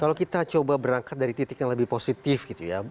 kalau kita coba berangkat dari titik yang lebih positif gitu ya